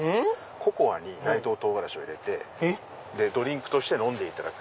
ココアに内藤とうがらしを入れてドリンクとして飲んでいただく。